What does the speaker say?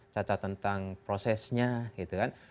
cacat tentang prosesnya gitu kan